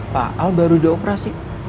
pak al baru dioperasi